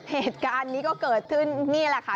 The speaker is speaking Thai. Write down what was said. เหตุการณ์นี้ก็เกิดขึ้นนี่แหละค่ะ